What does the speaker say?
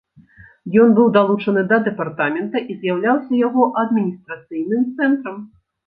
Ён быў далучаны да дэпартамента і з'яўляўся яго адміністрацыйным цэнтрам.